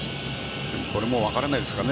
もう分からないですね